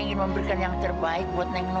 itu mobilnya datang